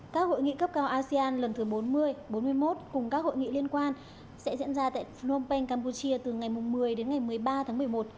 các hội nghị cấp cao asean lần thứ bốn mươi bốn mươi một cùng các hội nghị liên quan sẽ diễn ra tại phnom penh campuchia từ ngày một mươi đến ngày một mươi ba tháng một mươi một